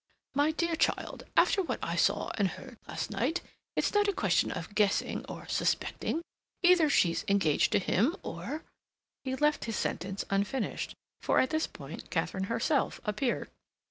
"My dear child, after what I saw and heard last night, it's not a question of guessing or suspecting. Either she's engaged to him—or—" He left his sentence unfinished, for at this point Katharine herself appeared.